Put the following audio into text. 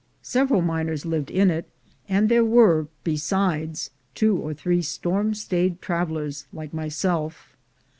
Several miners lived in it, and there were, besides, two or three storm stayed travelers like mj^self.